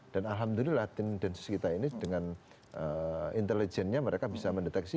dan alhamdulillah tni dan sus kita ini dengan intelligentnya mereka bisa mendeteksi